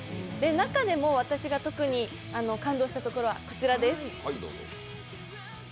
中でも私が特に感動したところはこちらです。